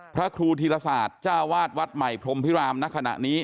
พระครูธิรษาจ้าวาสวัดใหม่พรหมธิรามณ์ณขณะนี้